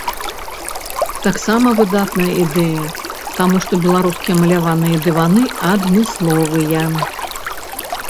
Таксама выдатная ідэя, таму што беларускія маляваныя дываны адмысловыя.